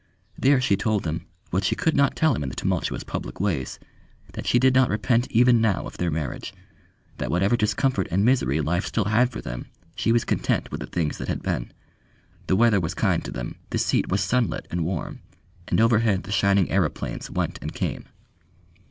There she told him, what she could not tell him in the tumultuous public ways, that she did not repent even now of their marriage that whatever discomfort and misery life still had for them, she was content with the things that had been. The weather was kind to them, the seat was sunlit and warm, and overhead the shining aëroplanes went and came.